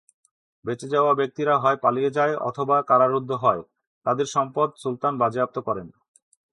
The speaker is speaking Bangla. বেঁচে যাওয়া ব্যক্তিরা হয় পালিয়ে যায় অথবা কারারুদ্ধ হয়, তাদের সম্পদ সুলতান বাজেয়াপ্ত করেন।